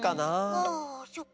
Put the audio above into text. あそっか。